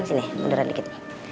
sini munduran dikit